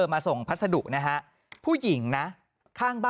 อารมณ์ไม่ดีเพราะว่าอะไรฮะ